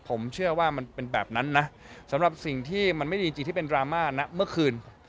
ผมเชื่อว่ามันเป็นแบบนั้นนะสำหรับสิ่งที่มันไม่ดีจริงที่เป็นดราม่านะเมื่อคืน